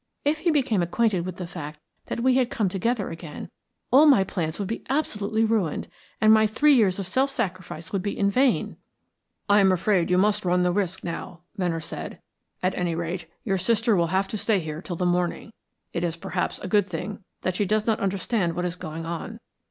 If he became acquainted with the fact that we had come together again, all my plans would be absolutely ruined, and my three years of self sacrifice would be in vain." "I am afraid you must run the risk now," Venner said. "At any rate, your sister will have to stay here till the morning. It is perhaps a good thing that she does not understand what is going on."